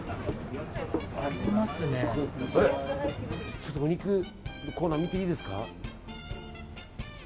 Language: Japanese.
ちょっとお肉コーナー見ていいですか？